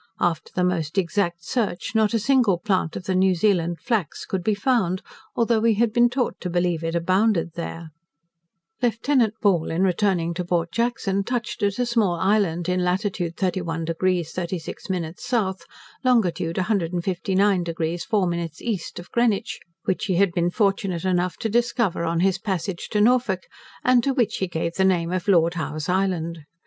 After the most exact search not a single plant of the New Zealand flax could be found, though we had been taught to believe it abounded there. Lieutenant Ball, in returning to Port Jackson, touched at a small island in latitude 31 deg 36 min south, longitude 159 deg 4 min east of Greenwich, which he had been fortunate enough to discover on his passage to Norfolk, and to which he gave the name of Lord Howe's Island.